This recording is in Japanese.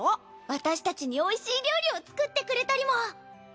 私たちにおいしい料理を作ってくれたりも。